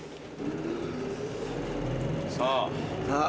さあ。